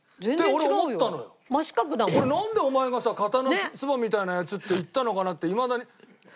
俺なんでお前がさ刀のツバみたいなやつって言ったのかなっていまだに。